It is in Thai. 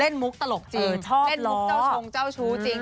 มุกตลกจริงเล่นมุกเจ้าชงเจ้าชู้จริง